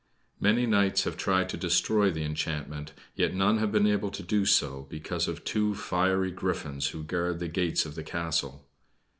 Many knights have tried to destroy the enchantment, yet none have been able to do so, because of two fiery griffins who guard the gates of the castle.